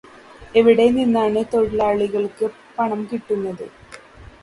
എവിടെനിന്നാണ് തൊഴിലാളികൾക്ക് പണം കിട്ടുന്നത്?